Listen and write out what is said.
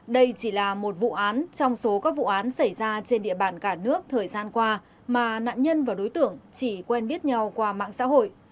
đây chỉ là một vụ án trong số các vụ án xảy ra trên địa bàn cả nước thời gian qua mà nạn nhân và đối tượng chỉ quen biết nhau qua mạng xã hội